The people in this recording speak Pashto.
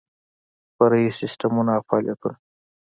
فرعي سیسټمونه او فعالیتونه